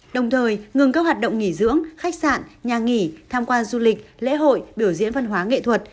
đồng thời ngừng các hoạt động nghỉ dưỡng khách sạn nhà nghỉ tham quan du lịch lễ hội biểu diễn văn hóa nghệ thuật